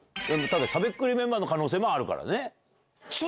しゃべくりメンバーの可能性もあるからね。